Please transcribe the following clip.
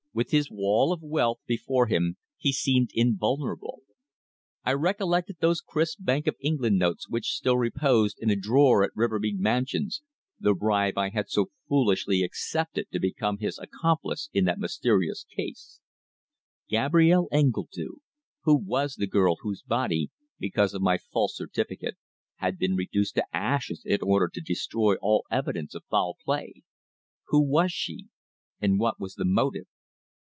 With his wall of wealth before him he seemed invulnerable. I recollected those crisp Bank of England notes which still reposed in a drawer at Rivermead Mansions the bribe I had so foolishly accepted to become his accomplice in that mysterious crime. Gabrielle Engledue! Who was the girl whose body, because of my false certificate, had been reduced to ashes in order to destroy all evidence of foul play? Who was she and what was the motive?